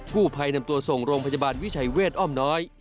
ผู้ภัยนำตัวส่งโรงพยาบาลวิชัยเวทอ้อมน้อย